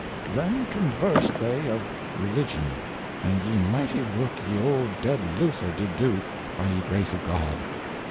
Then conversed they of religion, and ye mightie work ye old dead Luther did doe by ye grace of God.